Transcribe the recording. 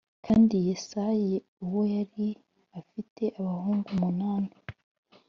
kandi Yesayi uwo yari afite abahungu munani.